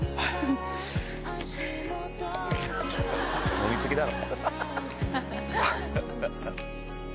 飲み過ぎだろ。